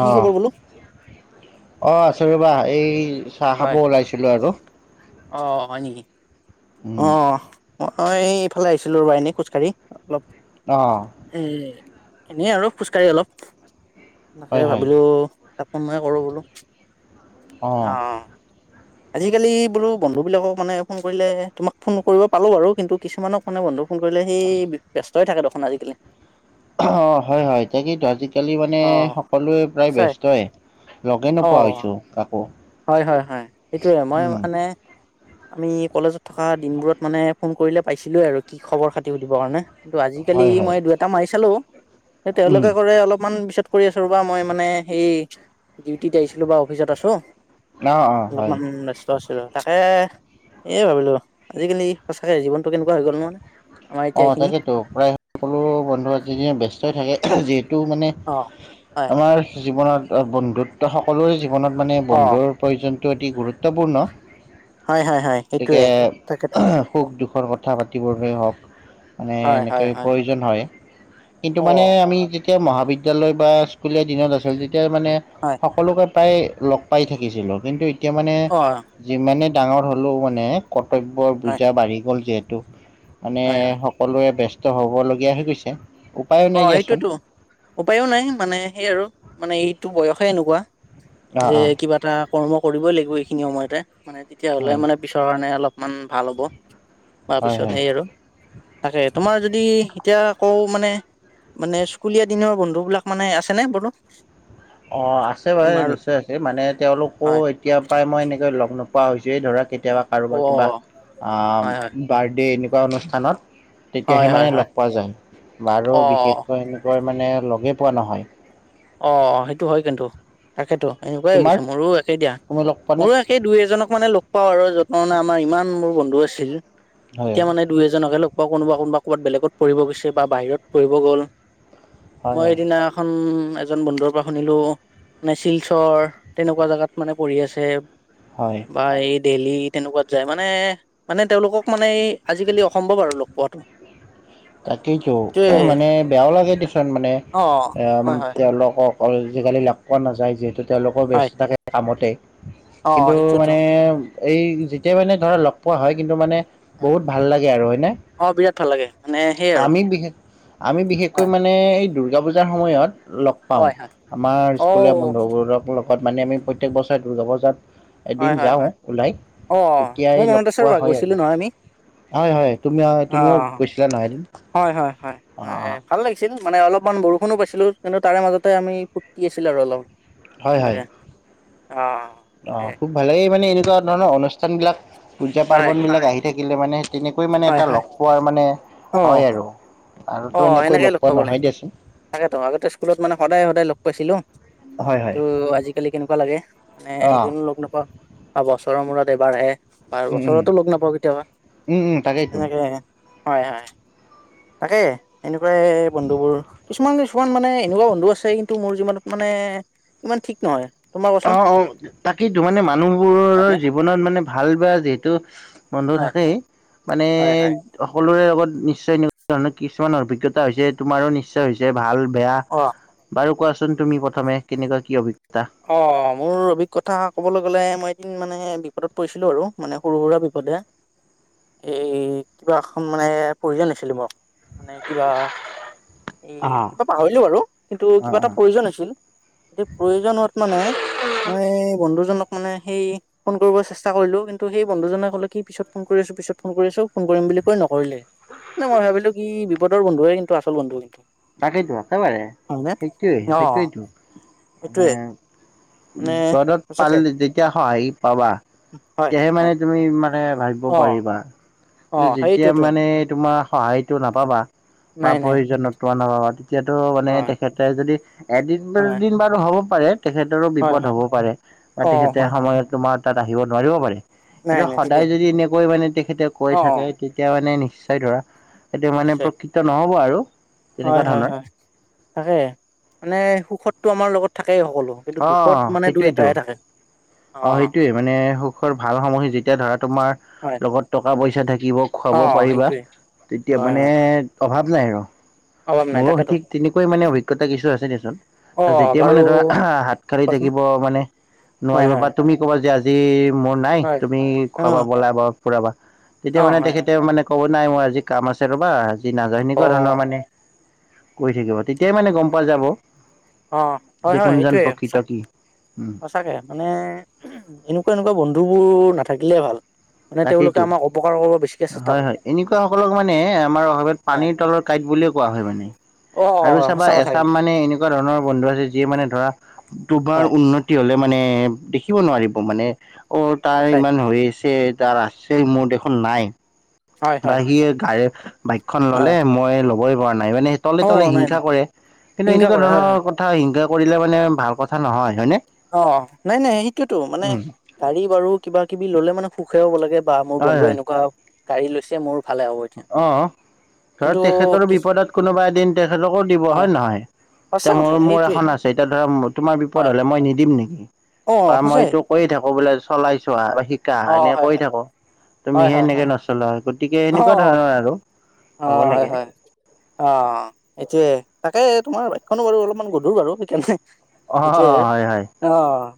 কি খবৰ বোলো। অ, আছো ৰ'বা! এই চাহ খাব ওলাইছিলো আৰু, অঁ, অঁ, অঁ হয় নেকি উম, অঁ, অঁ, অঁহ অঁ, এইফালে আহিছিলো ৰ বা এনেই খোজকাঢ়ি অলপ। অঁ, অঁ এ এনে আৰু খোজকাঢ়ি অলপ হয়, তাকে হয়, ভাবিলো। তাত মে কৰো বোলো অ আজিকালি বোলো [unintelligible] বন্ধুবিলাকক মানে ফোন কৰিলে তোমাক ফোন কৰিব পালোঁ বাৰু কিন্তু। কিছুমানক মানে বন্ধু ফোন কৰিলে সেই ব্যস্ত হৈ থাকে দেখোন আজিকালি [unintelligible] অঁ, হয় হয় তাকেইেতো আজিকালি মানে অ' সকলোৱে প্ৰায় সঁচাই ব্যস্তই। লগে নোপোৱা অ' হৈছো আকৌ। হয়, হয়, হয় এইটোৱে মই মানে। আমি কলেজত থকা দিনবোৰত মানে ফোন কৰিলে পাইছিলোৱে আৰু কি খবৰ খাতি সুধিব কাৰণে। কিন্তু, আজিকালি হয়, হয়, মই দুই এটা মাৰি চালো স উম। তেওঁলোকে কৰে অলপমান পিছত। কৰি আছো ৰ বা মই মানে এই ডিউটিত আহিছিলো বা অফিচত আছো। অ', অ', হয়, অলপমান ব্যস্ত আছিলো আৰু। তাকে এয় ভাবিলো আজিকালি সঁচাকে জীৱনটো কেনেকুৱা হৈ গ'ল ন? আমাৰ এতিয়া অঁ এইখিনি তাকেতো প্ৰায় সকলো বন্ধু আজি ব্যস্তই থাকে! যিহেতু মানে? অঁ,। আমাৰ জীৱনত বন্ধুত্ব সকলোৰে জীৱনত মানে অ বন্ধুৰ? প্ৰয়োজনটো অতি গুৰুত্বপূৰ্ণ হয় হয় হয় সেইটোয়ে গতিকে, তাকেতো সুখ দুখৰ কথা পাতিবৰলৈই হওক? মানে হয় হয় এনেকৈ হয় প্ৰয়োজন হয় কিন্তু অ মানে আমি! যেতিয়া মহাবিদ্যালয় বা স্কুলীয়া দিনত আছিল তেতিয়া মানে হয় সকলোকে। প্ৰায় লগ পাই থাকিছিলোঁ কিন্তু এতিয়া মানে অ যিমানেই ডাঙৰ হ'লেও মানে। কৰ্তব্যৰ হয় বুজা বাঢ়ি গ'ল যিহেতু মানে। হয় হয় সকলোৱে ব্যস্ত হ'বলগীয়া হৈ গৈছে। উপায়ো অ, নাই দিয়াচোন সেইটোতো উপায়ো নাই মানে সেই আৰু মানে এইটো বয়সে এনেকুৱা। অ' যে অ' কিবা এটা কৰ্ম কৰিবই লাগিব এইখিনি সময়তে মানে তেতিয়া হ'লে হয় মানে? পিছৰ কাৰণে অলপমান ভাল হ'ব বা হয় পিছত হয় হেই আৰু? তাকে তোমাৰ যদি এতিয়া আকৌ মানে? মানে স্কুলীয়া দিনৰ বন্ধু বিলাক মানে আছে নে বোলো? অ, আছে বাৰু তোমাৰ নিশ্চয় আছে মানে তেওঁলোকো হয় এতিয়া পৰাই মই এনেকৈ লগ নোপোৱা হৈছোেই ধৰা? কেতিয়াবা অ কাৰোবাৰ কিবা আঁ হয় হয় বাৰ্থডে' এনেকুৱা অনুষ্ঠানত। হয় তেতিয়াহে হয় মানে হয় লগ পোৱা যায় বাৰু অ বিশেষকৈ এনেকুৱৈ মানে লগেই পোৱা নহয়। অঁ, সেইটো হয় কিন্তু তাকেতো এনেকুৱাই হৈ তোমাৰ গৈছে মোৰো একেই দিয়া তুমি লগ পোৱা নে মোৰো? সেই দুই এজনক মানে লগ পাওঁ আৰু য'ত মানে আমাৰ ইমান মোৰ বন্ধু আছিল হয় এতিয়া মানে? দুই এজনকে লগা কোনবা কোনোবা ক'বাত বেলেগত পঢ় গৈছে বা বাহতঢ়িব গ'ল [unintelligible] হয় মই হয় এইদিনা খন! এজন বন্ধুৰ পৰা শুনিলো মানে শিলচৰ তেনেকুৱা জাগাত মানে পঢ়ি আছে! হয় বা এই ডেইহি তেনেকুৱাত যায় মানে মানে তেওঁলোকক মানে এই আজিকালি অসম্ভৱ আৰু লগ পোৱাটো! অ [inaudible] তাকেইতো মানে বেয়াও লাগে দিচোন মানে, অ এ হয় হয় তেওঁলোকক আজিকালি লগ পোৱা নাযায় যিহেতু তেওঁলোকৰ ব্যস্ত হয় থাকে কামতে৷ অ কিন্তু সেইটোৱেতো মানে, এই যেতিয়া মানে ধৰা লগ পোৱা হয় কিন্তু মানে হয় বহুত ভাল লাগে আৰু হয় ন? অ' বিৰাট ভাল লাগে৷ মানে সেই আৰু আমি বিশেষ, আমি বিশেষকৈ হয় মানে মানে এই দুৰ্গা পূজাৰ সময়ত লগ হয় পাও৷ হয় আমাৰ অ স্কুলেই বন্ধ হ'ব ৰ' লগত মানে আমি প্ৰত্যেক বছৰে দুৰ্গা পুজাত হয় এদিন হয় যাওঁ হয় ওলাই, অ তেতিয়াই মোৰ লগ মনত আছে পোৱা ৰ'বা হয় গৈছিলো আৰু নহয় আমি হয়, হয়, তুমি অ তুমিও গৈছিলা নহয় এদিন৷ হয়, হয়, হয়, অ হয়, ভাল লাগি ছিল মানে অলপমান বৰষুণো পাইছিলো, কিন্তু তাৰে মাজতে আমি ফুৰৰ্তি আছিলো আৰু অলপ হয় হয় তেনেকে, অ' অ' অ' খুব ভালেই মানে এনেকুৱা ধৰণৰ অনুষ্ঠান বিলাক, হয় পূজা-পাৰ্বন বিলাক আহি থাকিলে মানে তেনেকৈ মানে হয় এটা হয় লগ পোৱা মানে অ হয় আৰু অ আৰুতো এনেকৈ সেনেকে লগ পোৱা পাব লাগে নহয় দেচোন তাকেতো আগতে স্কুলত মানে সদায় সদায়াই লগ পাইছিলো হয় কিন্তু হয় আজিকালি কেনেকুৱা লাগে মানে অ', এদিনো লগ নাপাওঁ বা বছৰৰ মূৰত এবাৰ আহে বাৰ উম উম, বছৰতো লগ নাপাওঁ কেতিয়াবা উম উম তাকেইতো। সেনেকে আহে হয় হয় তাকে এনেকুৱাই বন্ধুবোৰ কিছুমান কিছুমান মানে এনেকুৱা বন্ধু আছে কিন্তু মোৰ জীৱনত মানে ইমান ঠিক নহয় তোমাৰ কোৱাচোন অ অ তাকেই তো মানে হয়নে মানুহবোৰৰ জীৱনত মানে ভাল বা যিহেতু বন্ধু হয় থাকেই মানে হয় হয় সকলোৰে লগত নিশ্চয় এনেকুৱা ধৰণৰ কিছুমান অভিজ্ঞতা হৈছে তোমাৰো নিশ্চয় হৈছে ভাল বেয়া অহ বাৰু কোৱাচোন তুমি প্ৰথমে কেনেকুৱা কি অভিজ্ঞতা অ মোৰ অভিজ্ঞতা ক'বলৈ গ'লে মই এদিন মানে বিপদত পৰিছিলো আৰু মানে সৰু সুৰা বিপদে এই কিবা খন মানে প্ৰয়োজন মানে কিবা অ', এ পাহৰিলো বাৰু কিন্তু কিবা অ', অ'। এটা প্ৰয়োজন আছিল প্ৰয়োজনত মানে মই বন্ধুজনক মানে সেই ফোন কৰিব চেষ্টা কৰিলো কিন্তু সেই বন্ধুজনে কলে কি পিছত ফোন কৰি আছো পিছত ফোন কৰি আছো ফোন কৰিম বুলি নকৰিলে মই ভাবিলো কি বিপদৰ বন্ধুৱে কিন্তু আচল বন্ধু কিন্তু তাকেটো একেবাৰে হয়নে সেইটোৱেই অ সেইটোৱেতু মানে সেইটোয়ে মানে পদত পাল সঁচাকে যেতিয়া সহায় পাবা হয় তেতিয়াহে মানে হয় তুমি মানে ভাবিব অ পাৰিবা অ যেতিয়া সেইটোতো মানে তোমাৰ সহায়টো নাপাবা বা নাই নাই প্ৰয়োজনত নাপাবা সেতো মানে হয় তেখেতে যদি এদিন বা হয় দুদিন দিন বাৰু হ'ব পাৰে তেখেতৰো হয় বিপদ হয় হ'ব পাৰে বা অ তেখেতে হয় হয় সময় তোমাৰ তাত আহিব নোৱাৰিব পাৰে নাই এতো নাই সদায় ঠিকেই যদি এনেকৈ মানে তেখেতে কৈ অ অ থাকে তেতিয়া মানে নিশ্চয় ধৰা এটো মানে নিশ্চয় প্ৰকৃত নহব আৰু হয় তেনেকুৱা হয় ধৰণৰ হয় তাকে মানে সুখতটো আমাৰ লগত থাকেই সকলো কিন্তু অ দুখত মানে দুই সেইটোৱেইটো এটাহে থাকে অ' সেইটোৱে মানে সুখৰ ভাল সময় যেতিয়া ধৰা তোমাৰ হয় লগত টকা পইচা থাকিব অ খুৱাব পাৰিবা সেইটোৱে তেতিয়া হয় মানে হয় অভাৱ নাই আৰু অভাৱ নাই মোৰো তাকেতো সঠিক তেনেকুৱা মানে অভিজ্ঞতা কিছু আছে দেচোন অ যেতিয়া বাৰু মানে ধৰা হাত খালি কোৱাচোন থাকিব মানে হয় নোৱাৰিব বা হয় তুমি ক'বা যে আজি মোৰ নাই হয় তুমি খোৱাবা বলা বা ফুৰাবা অ তেতিয়া মানে হয় হয় তেখেতে মানে ক'ব নাই মোৰ আজি কাম আছে ৰ'বা আজি নাযা অ এনেকুৱা ধৰণৰ মানে কৰি থাকিব তেতিয়াই মানে গম পোৱা যাব অ হয় যে হয় কোনজন সেইটোৱে প্ৰকৃত সঁচা কি উম সঁচাকে মানে, এনেকুৱা এনেকুৱা বন্ধুবোৰ নাথাকিলে ভাল। তেওঁলোকে তাকেইতো আমাৰ অপকাৰ কৰিব বেছিকে চেষ্টা হয় কৰে হয়, এনেকুৱা সকলক মানে আমাৰ অসমত হয় পানীৰ তলৰ কাঁইট বুলিয়ে কোৱা হয়। মানে অ আৰু চাবা সঁচা কথা এচাম কিন্তু মানে এনেকুৱা ধৰণৰ বন্ধু আছে, যিয়ে মানে ধৰা তোমাৰ হয় উন্নতি হলে মানে দেখিব নোৱাৰিব, মানে অ তাৰ সঁচাই ইমান হৈ আছে তাৰ আছে মোৰ দেখোন নাই হয় বা হয় সি গাড়ী বাইকখন ললে হয় মই বই পৰা নাই মানে তলে অ তলে নাই নাই হিংসা কৰে। কিন্তু হিংসা এনেকুৱা কৰে হয় হয় ধৰণৰ কথা হিংসা কৰিলে মানে, ভাল কথা নহয়, হয়নে? অ নাই নাই সেইটোয়েতো মানে উম গাড়ী বাৰু কিবা কিবি ললে মানে সুখে হ'ব লাগে। বা মোৰ হয় বন্ধু হয় এনেকুৱা গাড়ী লৈছে। মোৰ ভালে হ'ব এতিয়া অ, ধৰ কিন্তু তেখেতৰ কিছু বিপদত কোনোবা এদিন তেখেতকো দিব হয় হয়নে নহয়? সঁচা এতিয়া কথা মোৰ মোৰ সেইটোৱে এখন আছে, তেতিয়া ধৰা তোমাৰ বিপদ হয় হ'লে মই নিদিম নেকি অ বা মই সঁচাই তোক কৈ থাকো, বোলে চলাই চোৱা বা শিকা অ এনেকে হয় কৈ হয় থাকো, হয় তুমিহে হয় এনেকে হয় নচলা। গতিকে অ তেনেকুৱা ধৰণৰ আৰু অ হ'ব হয় লাগে। হয় অ সেইটোয়ে, তাকে তোমাৰ বাইকখনো বাৰু অলপমান গধুৰ বাৰু। সেইকাৰণে অ সেইটোয়ে আৰু হয় হয়, অ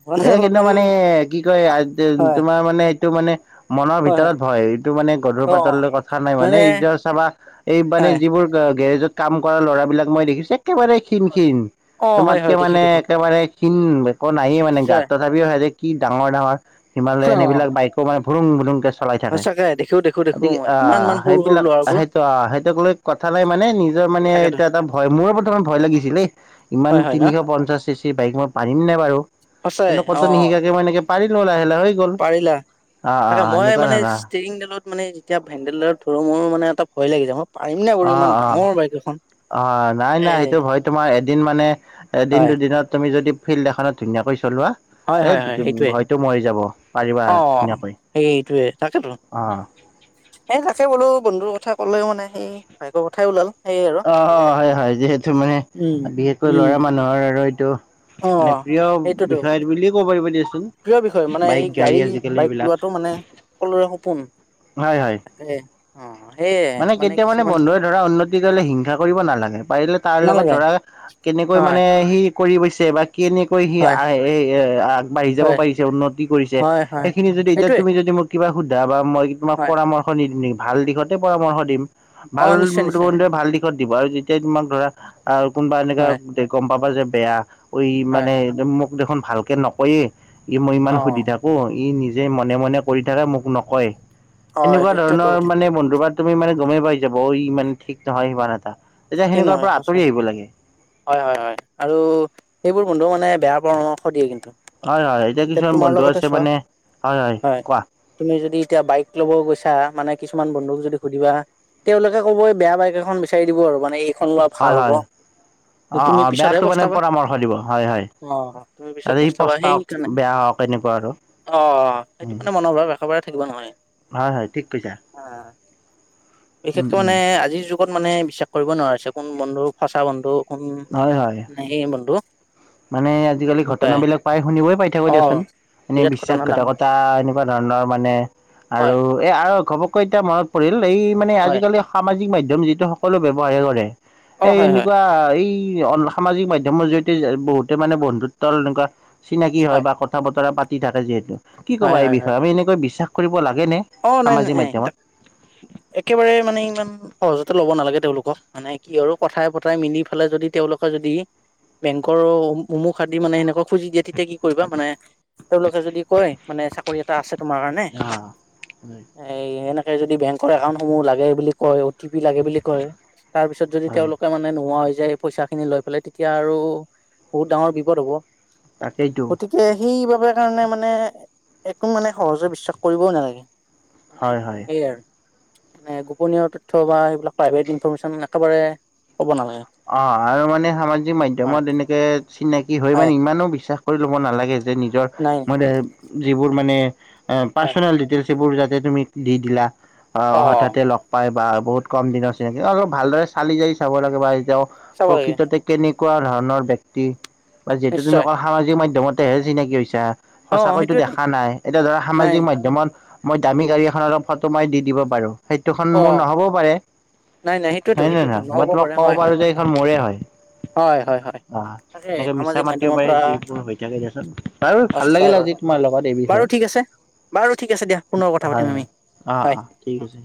মানে এই কিন্তু অলপমান মানে কি কয় হয় তোমাৰ মানে এইটো মানে মনৰ হয় ভিতৰত হয় ভয় এইটো মানে গধুৰ অ পাতলৰ কথা নাই মানে। এইজ চাবা এই মানে হয় যিবোৰ গেৰেজত কাম কৰা ল'ৰাবলাক মই দেখিছো, একেবাৰে ক্ষীণ ক্ষীণ অ হয় তোমাতকে হয় দেখি মানে, দেখো একেবাৰে খিন একো নায়ে মানে গাত। নিশ্চয় তথাপিও সিহতে কি ডাঙৰ ডাঙৰ অ হিমালয়ন, সেইবিলাক বাইক মে [unintelligible] ভুং বুং চলাই থাকে। সঁচাকে দেখো দেখো দেখো গতিকে মই ইমান ইমান সৰু সৰু সেইবিলাক ল'ৰাবোৰ সেইটো সেইটোক লৈ কথা নাই মানে, নিজৰ মানে, তাকেতো এয়া এটা ভয় মোৰ প্ৰথমে ভয় লাগিছিল। ইমান হয় হয় ন তিনিশ পঞ্চাশ চি বাইক মই পাৰিম নে বাৰু? সঁচাই কিন্তু অ কতো নিশিকাকে মই এনে পাৰিলো। লাহে লাহে গ'ল পাৰিলা। অ অ তাকে মই এনেকুৱা মানে ধৰণৰ ষ্টিৰিং দালত মানে, এতিয়া হেণ্ডেলডালত ধৰো মোৰ মানে এটা ভয় লাগি যায়। মই পাৰম নে অ বাৰু ইমান অ ডাঙৰ বাইকে অ নাই নাই সেইটো হয় তোমাৰ এদিন মানে এদিন হয় দুদিনত তুমি যদি ফিল্ড এখনত ধুনীয়াকৈ চলোৱা, হয় এ হয় হয় সেইটোৱে হয়তো মৰি যাব পাৰিবা অ ধুনীয়াকৈ। সেইটোৱে অ, এই তাকে বোলো বন্ধুৰ কথা ক'লেও মানে সি বাইকৰ কথাই ওলাল। সেইয়ে আৰু অ অ ভালে হয় হয়, যিহেতু মানে উম বিশেষকৈ উম ল'ৰা মানুহৰ আৰু এইটো অ মানে প্ৰিয় সেইটোতো বিষয় বুলিয়ে ক'ব পাৰিব দিয়াচোন বাইক গাড়ী আজিকালি এইবিলাক টো মানে সকলোৰে সপোন। হয় হয়, তাকে অ সেয়ে মানে কেতিয়া মানে কিছুমান বন্ধ ধৰা উন্নতি লে হিংসা কৰিব নালাগে, পাৰিলে তাৰ লগত নালাগে ধৰা কেনেকৈ হয় মানে সি কৰি গৈছে বা কেনেকৈ সি হয় আহ এ আগবাঢ়ি যাব হয় পাৰিছে, উন্নতি কৰিছে। হয় হয় সেইখিনি যদি এতিয়া সেইটোৱে তুমি যদি মোৰ কিবা সোধা বা মই তোমাক হয় পৰামৰ্শ নিদিম নেকি ভাল দিশতে পৰামৰ্শ দিম। অ ভাল নিশ্চয় নিশ্চয় বন্ধুৱে ভাল দিশত দিব আৰু যেতিয়া তোমাক ধৰা কোনোবা এনেকা হয় গম পাবা যে বেয়া। ঐ হয় মানে মোক দেখোন ভালকে নকয়ে, ই মই অ ইমান সুবিধা ই নিজে মনে মনে কৰি থাকে মোক নকয়, অ এনেকুৱা সেইটোয়েতো ধৰণৰ কথা মানে বন্ধুবাত তুমি মানে গমেই পাই যাব। অ ইমান ঠিক নহয় সিমান এটা তেতিয়া ঠিকেই সেনেকুৱাৰ নহয় পৰা আঁতৰি সঁচাই আহিব লাগে। হয়, হয়, হয়, আৰু সেইবোৰ বন্ধুও মানে বেয়া পৰামৰ্শ দিয়ে কিন্তু। হয়, হয়, এতিয়া কিছুমান তোমাৰ বন্ধু লগতে আছে চোৱা মানে, হয়, হয় কোৱা? তুমি যদি এতিয়া বাইক লব গৈছা মানে, কিছুমান বন্ধুক যদি সুধিবা তেওঁলোকে কবই বেয়া বাইক এখন বিচাৰি দিব আৰু মানে এইখন হয়, ভাল হ'ব হয়, অ', তুমি অ', পিছতহে বেয়াটো মানে পস্তাবা পৰামৰ্শ দিব হয়, হয়। অ তুমি পিছত আৰু এই পস্তাবা পস্তাওক সেইকাৰণে বেয়া হওক এনেকুৱা আৰু। অ, সেইটো মানে মনৰ ভাৱ একেবাৰে থাকিব নালাগে। হয় হয় ঠিক কৈছা উম বিশেষকে উম মানে আজিৰ যুগ লগত মানে বিশ্বাস কৰিব নোৱাৰিছে কোন বন্ধু সঁচা বন্ধু কোন হয় হয় নে সেই বন্ধু মানে আজিকালি এনেকুৱাই ঘটনাবলাক পাই শুনিবয়ে পাই থাকো অ দিয়াচোন এনে বিৰাট ঘটনা ডাঙৰ বিশ্বাসঘাতকতা এনে কিবা ধৰণৰ মানে হয়, আৰু এ আৰু ঘবকৈ এতিয়া মনত পৰিল এই মানে হয়, আজিকালি সামাজিক মাধ্যয়ম যিটো সকলোৱ ব্যৱহাৰে কৰে অ', এই হয়, হয়, এনেকুৱা এই সামাজিক মাধ্যয়ম জৰিয়তে যে বহুতে মানে বন্ধুত্বৰ এনেকুৱা চিনাকি হয় বা কথা বতৰা পা থাকে যিহেতু কি হয়, ক'বা এই হয়, হয়, বিষয়ে আমি এনেকৈ বিশ্বাস কৰিব লাগে নে। অ, নাই, নাই, নাই ত একেবাৰে মানে ইমান সহজতে ল'ব নালাগে তেওঁলোকক মানে কি আৰু কথাই, পতাই মিলি পেলাই যদি তেওঁলোকৰ যদি বেংকৰ অমুক আদি মানে সেনেকৈ খুজি দিয়ে তেতিয়া কি কৰিবা মানে তেওঁলোকে যদি কয় মানে চাকৰি এটা আছে তোমাৰ কাৰণে। অ'। এই এনেকে যদি বেংকৰ একাউণ্ট সমূহ লাগে বুলি কয় ও টি পি লাগে বুলি কয়। তাৰ পিছত যদি হয় তেওঁলোকে মানে মানে নোহোৱা হৈ যে পইচা খিনি লৈ পেলাই তেতিয়া আৰু বহুত ডাঙৰ বিপদ হ'ব। তাকেইতো। গতিকে সেইবাবে কাৰণে মানে একো মানে সহজতে বিশ্বাস কৰিবও নালাগে। মানে হয় হয়। এই আৰু মানে গোপনীয় তথ্য বা এইবিলাক প্ৰাইভেট ইনফৰমেশ্যন একেবাৰে ক'ব নালাগে। অ, আৰু মানে সামাজিক হয় মধ্যয়মত এনেকে চিনাকি হৈ হয় মানে ইমানো বিশ্বাস কৰি ল'ব নালাগে যে নিজৰ নাই মানে যিবোৰ মানে হয় পাৰ্ছনেল ডিটেইলছ সেইবোৰ যাতে তুমি দি, দিলা অ হঠাতে লগ পাই বা বহুত কম দিনৰ চিনাকি অলপ ভালদৰে চালি জাৰি চাব লাগে বা এতিয়াও চাব লাগে প্ৰকৃততে কেনেকুৱা ধৰণৰ ব্য়ক্তি বা যিহেতু তুমি নিশ্চয় কোৱা সামাজিক মাধ্যয়মতেহে চিনাকি হৈছা। অ সঁচাকৈটো সেইটোয়েতো দেখা নাই এতিয়া ধৰা নাই সামাজিক মাধ্যমত মই দামী গাড়ী এখনৰ অলপ ফটো মাৰি দি, দিব পাৰোঁ সেইটো খন অ মোৰ নহ'বও পাৰে। নাই, সেইটোয়েতো নাই, সেইটোতো নাই, মই নহ'ব তোমাক পাৰে ক'ব হয় পাৰো হয় যে এইখন মোৰে হয়। হয় হয় হয় অ, তাকে এনেকে মিছা সামাজিক মাতিব মাধ্যমৰ পাৰে পৰা যিবোৰ হৈ থাকে দিয়াচোন। বাৰু ভাল চাই লাগিল বাৰু আজি তোমাৰ লগত এই বাৰু বিষয়ে ঠিক আছে বাৰু ঠিক আছে দিয়া পুনৰ কথা হয় পাতিম হয় আমি। অ', অ', ঠিক হয় আছে।